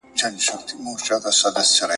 جهاني خیال یې زنګولم چي غزل مي لیکل `